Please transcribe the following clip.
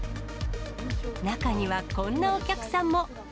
中には、こんなお客さんも。